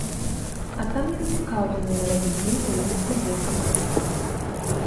А там не зацікаўленыя рабіць візы мінскім гуртам.